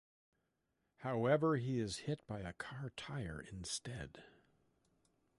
However, he is hit by a car tire instead.